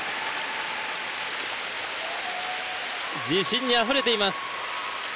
自信にあふれています。